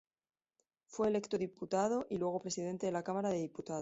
Fue electo diputado y luego presidente de la Cámara de Diputados.